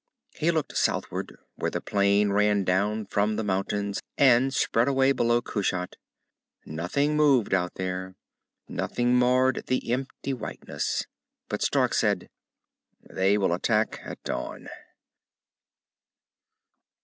He looked southward, where the plain ran down from the mountains and spread away below Kushat. Nothing moved out there. Nothing marred the empty whiteness. But Stark said, "They will attack at dawn."